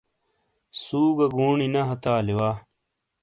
سُو گہ گُونی نے ہتے آلی وا۔